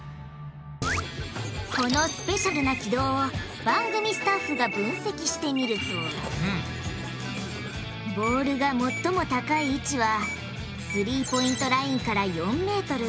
このスペシャルな軌道を番組スタッフが分析してみるとボールが最も高い位置はスリーポイントラインから４ｍ。